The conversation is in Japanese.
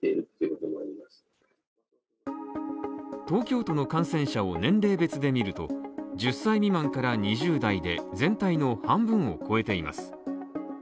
東京都の感染者を年齢別で見ると１０歳未満から２０代で全体の半分を超えています。